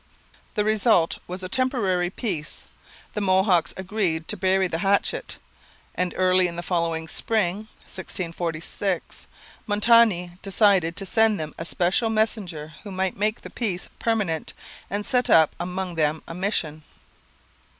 The result was a temporary peace; the Mohawks agreed to bury the hatchet; and early in the following spring (1646) Montmagny decided to send to them a special messenger who might make the peace permanent and set up among them a mission.